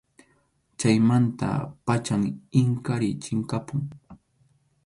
Chaymanta pacham Inkariy chinkapun.